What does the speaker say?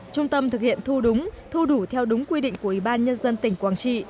trung tâm thực hiện thu đúng thu đủ theo đúng quy định của ủy ban nhân dân tỉnh quảng trị